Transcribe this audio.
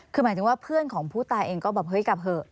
คือหมายถึงว่าเพื่อนของผู้ตายเองก็แบบเฮ้ยกลับเหอะ